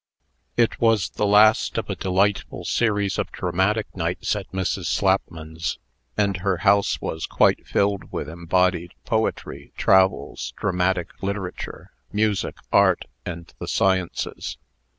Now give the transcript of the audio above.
It was the last of a delightful series of dramatic nights at Mrs. Slapman's; and her house was quite filled with embodied Poetry, Travels, Dramatic Literature, Music, Art, and the Sciences.